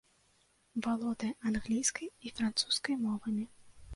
Валодае англійскай і французскай мовамі.